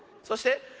そして。